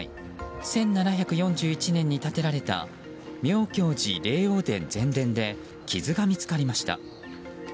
１７４１年に建てられた妙教寺霊応殿前殿で傷が見つかりました。